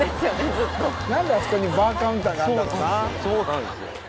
ずっと何であそこにバーカウンターがあるんだろうな？